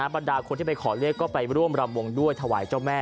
บรรดาคนที่ไปขอเลขก็ไปร่วมรำวงด้วยถวายเจ้าแม่